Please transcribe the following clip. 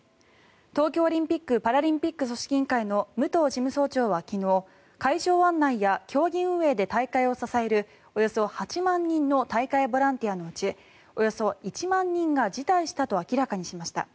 東京オリンピック・パラリンピック組織委員会の武藤事務局長は昨日会場案内や競技運営で大会を支えるおよそ８万人の大会ボランティアのうちおよそ１万人が辞退したと明らかにしました。